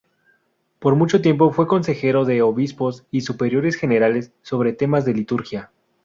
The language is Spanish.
Por mucho tiempo fue consejero de obispos y superiores generales sobre temas de liturgia.